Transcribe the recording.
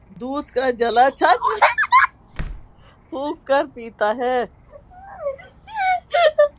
دودھ کا جلا چھاچھ بھی پھونک کر پیتا ہے